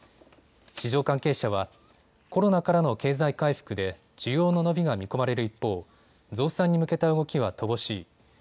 市場関係者は、コロナからの経済回復で需要の伸びが見込まれる一方、増産に向けた動きは乏しい。